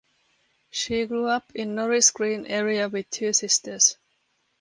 She grew up in Norris Green area with two sisters.